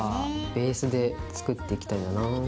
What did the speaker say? ベースで作っていきたいんだよな。